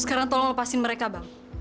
sekarang tolong lepasin mereka bang